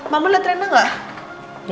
mama liat rena gak